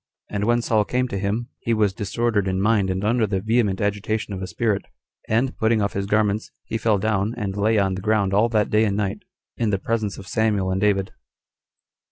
And when Saul came to him, he was disordered in mind 19 and under the vehement agitation of a spirit; and, putting off his garments, 20 he fell down, and lay on the ground all that day and night, in the presence of Samuel and David.